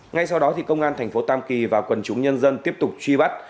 ngay sau đó công an thành phố tam kỳ và quần chúng nhân dân tiếp tục truy bắt